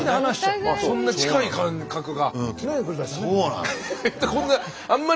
僕もそんな近い感覚が。